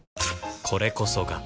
これこそが